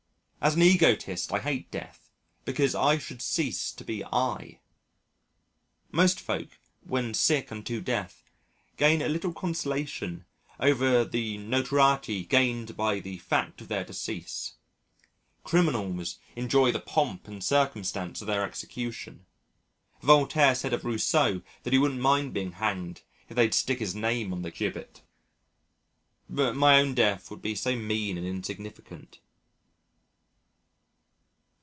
As an Egotist I hate death because I should cease to be I. Most folk, when sick unto death, gain a little consolation over the notoriety gained by the fact of their decease. Criminals enjoy the pomp and circumstance of their execution. Voltaire said of Rousseau that he wouldn't mind being hanged if they'd stick his name on the gibbet. But my own death would be so mean and insignificant.